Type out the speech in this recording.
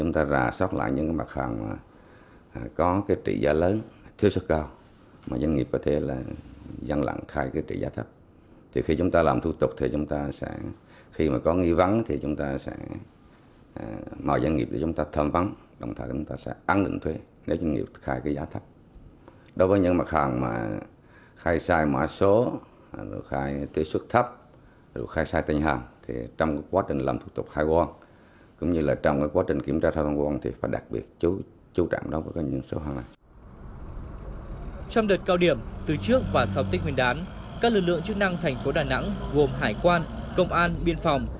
trong đợt cao điểm từ trước và sau tích huyền đán các lực lượng chức năng tp đà nẵng gồm hải quan công an biên phòng